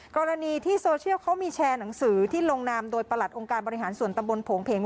กรณีที่โซเชียลเขามีแชร์หนังสือที่ลงนามโดยประหลัดองค์การบริหารส่วนตำบลโผงเพง